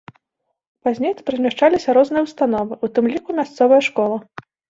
Пазней тут размяшчаліся розныя ўстановы, у тым ліку мясцовыя школа.